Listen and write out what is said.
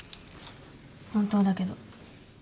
本当だけど。